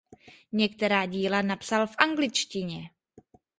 Některá díla napsal v angličtině.